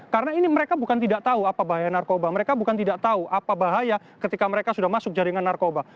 karena ini mereka bukan tidak tahu apa bahaya narkoba mereka bukan tidak tahu apa bahaya ketika mereka sudah masuk jaringan narkoba